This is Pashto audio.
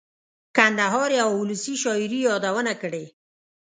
کندهار یوه اولسي شاعر یې یادونه کړې.